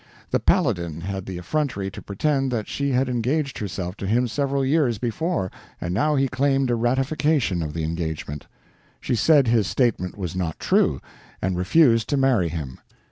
The Paladin had the effrontery to pretend that she had engaged herself to him several years before, and now he claimed a ratification of the engagement. She said his statement was not true, and refused to marry him.